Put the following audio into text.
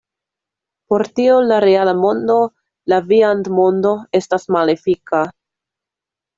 Por tio, la reala mondo, la viandmondo, estas malefika.